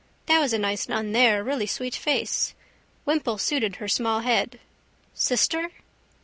That was a nice nun there, really sweet face. Wimple suited her small head. Sister?